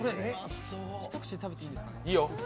一口で食べていいんですかね。